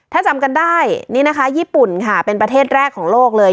ถ้าจำกันได้นี่นะคะญี่ปุ่นค่ะเป็นประเทศแรกของโลกเลย